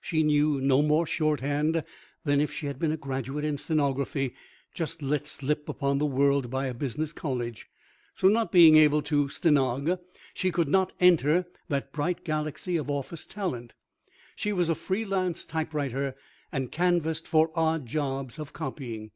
She knew no more shorthand than if she had been a graduate in stenography just let slip upon the world by a business college. So, not being able to stenog, she could not enter that bright galaxy of office talent. She was a free lance typewriter and canvassed for odd jobs of copying.